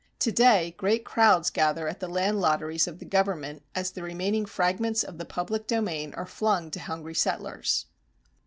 To day great crowds gather at the land lotteries of the government as the remaining fragments of the public domain are flung to hungry settlers.